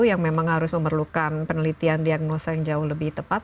yang memang harus memerlukan penelitian diagnosa yang jauh lebih tepat